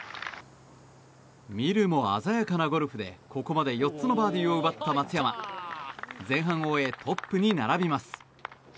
見るも鮮やかなゴルフでここまで４つのバーディーを奪った松山前半を終えトップに並びます。